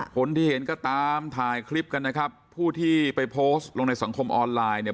คนที่เห็นก็ตามถ่ายคลิปกันนะครับผู้ที่ไปโพสต์ลงในสังคมออนไลน์เนี่ย